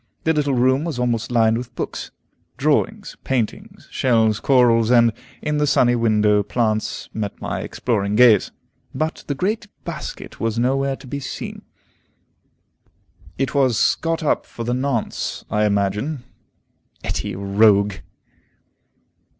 The little room was almost lined with books. Drawings, paintings, shells, corals, and, in the sunny window, plants, met my exploring gaze, but the great basket was nowhere to be seen. It was got up for the nonce, I imagine. Etty a rogue!